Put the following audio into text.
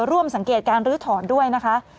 ร่วมสังเกตการลื้อถอนด้วยนะคะ